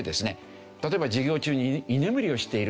例えば授業中に居眠りをしている。